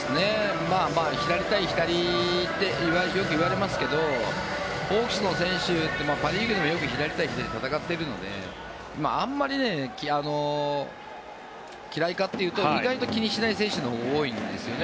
左対左ってよく言われますけどホークスの選手ってパ・リーグでもよく左対左で戦っているのであまり嫌いかというと意外と気にしない選手のほうが多いんですね。